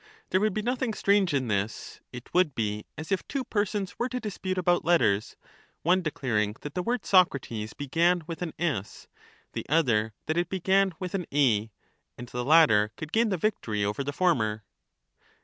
There would be nothing strange in this ; it would be as if two persons were to dispute about letters, one declaring that the word Socrates began with an S, the other that it began with an A, and the latter could gain the victory over the former.